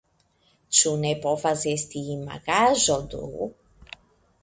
Ĉu ne povas esti imagaĵo do!